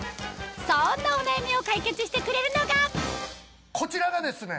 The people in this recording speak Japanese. そんなお悩みを解決してくれるのがこちらがですね